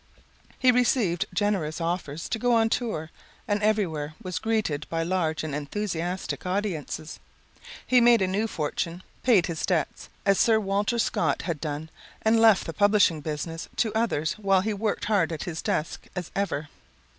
He received generous offers to go on tour and everywhere was greeted by large and enthusiastic audiences. He made a new fortune, paid his debts, as Sir Walter Scott had done and left the publishing business to others while he worked hard at his desk as ever.